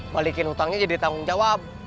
balikin utangnya jadi tanggung jawab